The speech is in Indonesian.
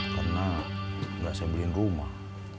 karena enggak saya beliin rumah